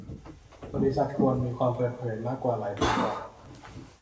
บริษัทควรมีความเปิดเผยมากกว่าหลายปีก่อน